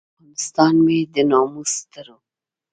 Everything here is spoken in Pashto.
افغانستان مې د ناموس ستر و.